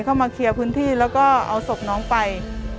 เข้ามาเคลียร์พื้นที่แล้วก็เอาศพน้องไป